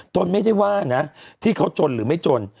ตนไม่ได้ว่านะที่เขาจนหรือไม่จน